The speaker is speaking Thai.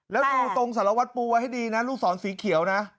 แล้วดูตรงสารวัตรปูไว้ให้ดีนะลูกศรสีเขียวนะ